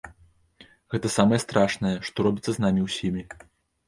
Гэта самае страшнае, што робіцца з намі ўсімі.